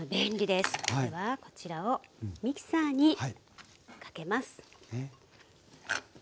ではこちらをミキサーにかけます。